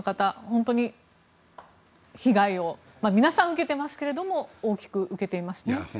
本当に被害を皆さん受けてますけれども大きく受けていますね。